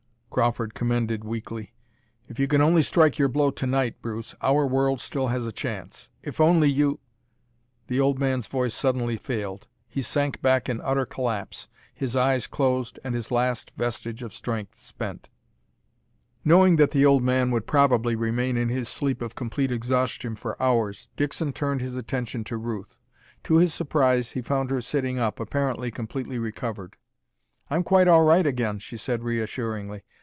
Crawford commended weakly. "If you can only strike your blow to night, Bruce, our world still has a chance. If only you " The old man's voice suddenly failed. He sank back in utter collapse, his eyes closed and his last vestige of strength spent. Knowing that the old man would probably remain in his sleep of complete exhaustion for hours, Dixon turned his attention to Ruth. To his surprise, he found her sitting up, apparently completely recovered. "I'm quite all right again," she said reassuringly.